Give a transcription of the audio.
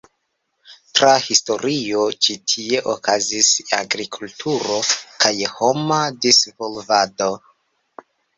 Tra historio, ĉi tie okazis agrikulturo kaj homa disvolvado.